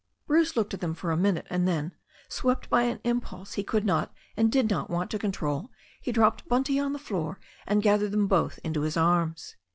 Bruce looked at them for a minute, and then, swept by an impulse he could not and did not want to control, he dropped Bunty on the floor, and gathered them both into his arms.